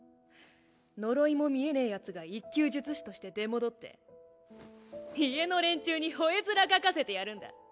呪いも見えねぇヤツが１級術師として出戻って家の連中に吠え面かかせてやるんだ。